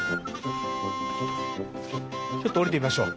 ちょっと下りてみましょう。